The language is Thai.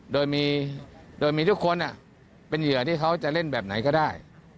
โดยมีทุกคนเป็นเหยื่อที่เขาจะเล่นแบบไหนก็ได้